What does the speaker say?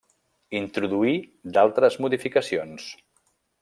Introduí d'altres modificacions.